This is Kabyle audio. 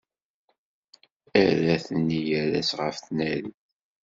Arrat-nni yeres ɣef tnarit-iw.